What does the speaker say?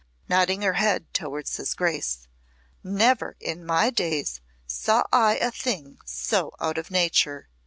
nodding her head towards his Grace. "Never in my days saw I a thing so out of nature!